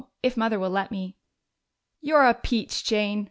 If Mother will let me." "You're a peach, Jane!"